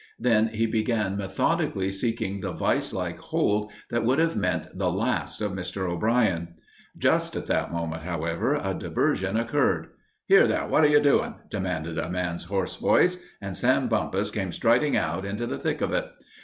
Then he began methodically seeking the vice like hold that would have meant the last of Mr. O'Brien. Just at that moment, however, a diversion occurred. "Here, there, what are you doin'?" demanded a man's hoarse voice, and Sam Bumpus came striding into the thick of it.